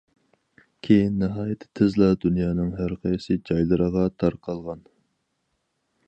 كېيىن، ناھايىتى تېزلا دۇنيانىڭ ھەرقايسى جايلىرىغا تارقالغان.